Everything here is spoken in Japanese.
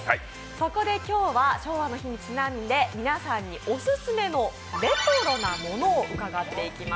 そこで今日は昭和の日にちなんで、皆さんにオススメのレトロなものを伺っていきます。